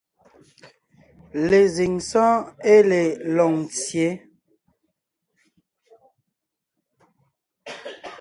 Lezíŋ sɔ́ɔn ée le Loŋtsyě,